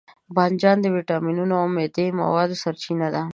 بانجان د ویټامینونو او معدني موادو سرچینه ده.